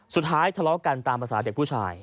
ทะเลาะกันตามภาษาเด็กผู้ชาย